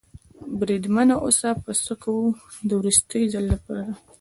بریدمنه اوس به څه کوو؟ د وروستي ځل لپاره.